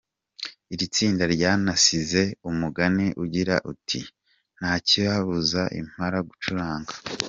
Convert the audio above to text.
Iri tsinda ryanasize umugani ugira uti "Nta cyabuza impala gucuranga.